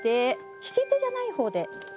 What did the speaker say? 利き手じゃない方で。